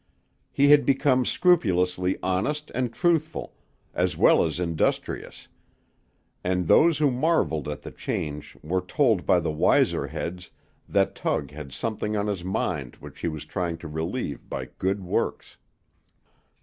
He had become scrupulously honest and truthful, as well as industrious; and those who marvelled at the change were told by the wiser heads that Tug had something on his mind which he was trying to relieve by good works.